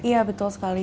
iya betul sekali